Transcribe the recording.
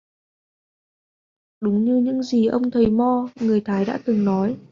Đúng như những gì mà ông thầy mo người thái đã từng nói